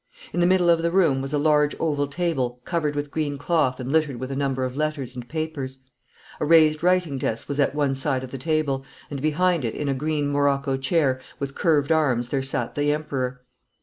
In the middle of the room was a large oval table covered with green cloth and littered with a number of letters and papers. A raised writing desk was at one side of the table, and behind it in a green morocco chair with curved arms there sat the Emperor.